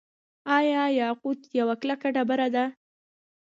آیا یاقوت یوه کلکه ډبره ده؟